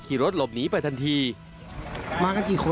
อยู่ไกลไหม